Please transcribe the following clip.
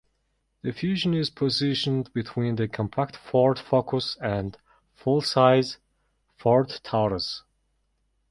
The Fusion is positioned between the compact Ford Focus and full-size Ford Taurus.